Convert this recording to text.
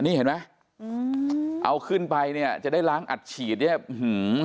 นี่เห็นไหมอืมเอาขึ้นไปเนี่ยจะได้ล้างอัดฉีดเนี่ยอื้อหือ